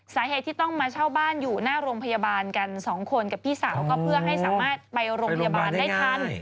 สาเหตุที่ต้องมาเช่าบ้านอยู่หน้าโรงพยาบาลกัน๒คนกับพี่สาวก็เพื่อให้สามารถไปโรงพยาบาลได้ทัน